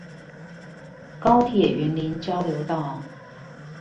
高鐵雲林交流道